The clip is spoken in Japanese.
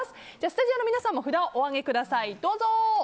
スタジオの皆さんも札をお上げください。